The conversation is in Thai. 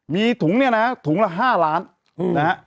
มีถุงเนี่ยนะถุงละ๕ล้านนะฮะ